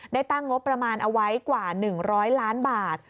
ได้ตั้งงบประมาณเอาไว้กว่า๑๐๐ล้านบาท